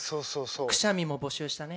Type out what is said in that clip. くしゃみも募集したね。